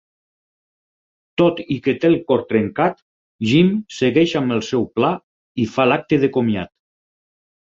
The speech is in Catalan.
Tot i que té el cor trencat, Jim segueix amb el seu pla i fa l'acte de comiat.